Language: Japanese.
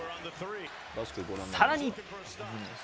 さらに。